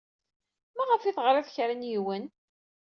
Maɣef ur teɣrid i kra n yiwen?